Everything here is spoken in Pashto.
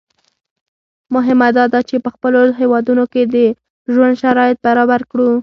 مهمه دا ده چې په خپلو هېوادونو کې د ژوند شرایط برابر کړو.